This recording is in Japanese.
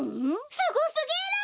すごすぎる！